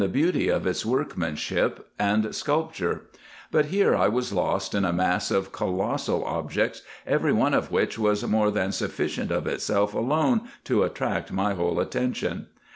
153 beauty of its workmanship and sculpture ; but here I was lost in a mass of colossal objects, every one of which was more than sufficient of itself alone to attract my whole attention.